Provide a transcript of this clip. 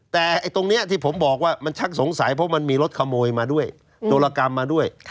แต่ตรงนี้ที่ผมบอกว่ามันชักสงสัยเพราะมันมีรถขโมยมาด้วยโจรกรรมมาด้วย